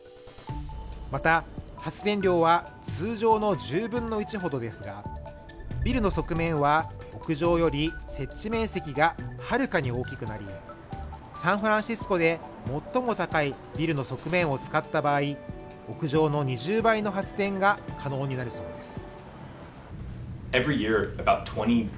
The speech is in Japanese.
また発電量は通常の１０分の１ほどですがビルの側面は屋上より設置面積がはるかに大きくなりサンフランシスコで最も高いビルの側面を使った場合屋上の２０倍の発電が可能になるそうです